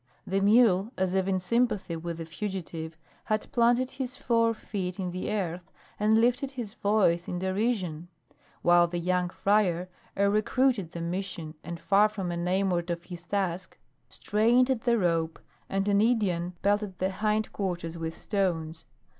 The mule, as if in sympathy with the fugitive, had planted his four feet in the earth and lifted his voice in derision, while the young friar, a recruit at the Mission, and far from enamored of his task, strained at the rope, and an Indian pelted the hindquarters with stones.